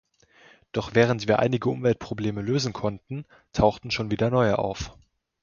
Doch während wir einige Umweltprobleme lösen konnten, tauchten schon wieder neue auf.